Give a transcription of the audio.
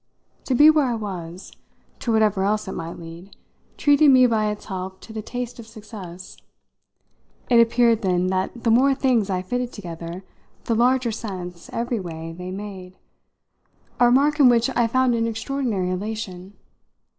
To be where I was, to whatever else it might lead, treated me by its help to the taste of success. It appeared then that the more things I fitted together the larger sense, every way, they made a remark in which I found an extraordinary elation.